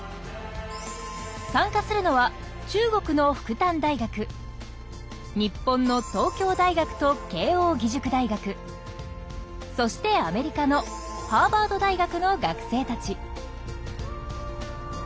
参加するのは中国の日本のそしてアメリカのハーバード大学の学生たち。